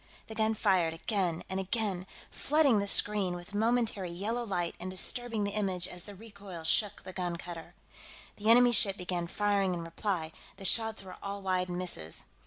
The gun fired again and again, flooding the screen with momentary yellow light and disturbing the image as the recoil shook the gun cutter. The enemy ship began firing in reply, the shots were all wide misses.